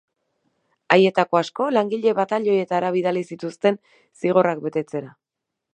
Haietako asko langile batailoietara bidali zituzten zigorrak betetzera.